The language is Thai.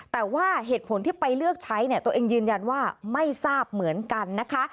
แต่ว่าเหตุผลที่ไปเลือกใช้เนี่ยตัวเองยืนยันว่าไม่ทราบเหมือนกันนะคะ